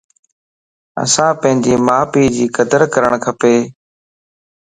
اسان پنجي مان پي جي قدر ڪرڻ کپَ